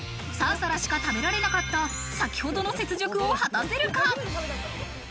３皿しか食べられなかった先ほどの雪辱を果たせるか。